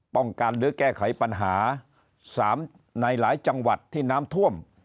ป้องกันหรือแก้ไขปัญหา๓ในหลายจังหวัดที่น้ำท่วม